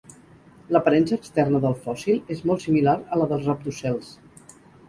L'aparença externa del fòssil és molt similar a la dels rabdocels.